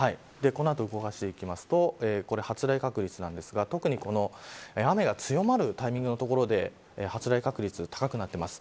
この後動かしていきますと発雷確率ですが特に雨が強まるタイミングのところで発雷確率が高くなっています。